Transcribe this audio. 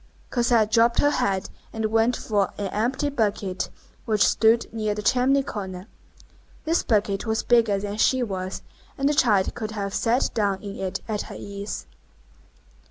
Cosette dropped her head, and went for an empty bucket which stood near the chimney corner. This bucket was bigger than she was, and the child could have set down in it at her ease.